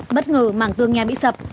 bất ngờ màng tương nhà bị sập